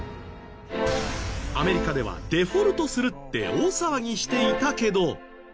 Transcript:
アメリカではデフォルトするって大騒ぎしていたけど。